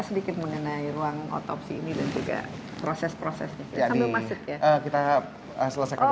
sedikit mengenai ruang otopsi ini dan juga proses prosesnya kita selesaikan kemudian api